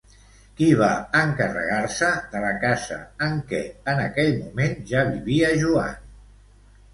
Qui va encarregar-se de la casa en què en aquell moment ja vivia Joan?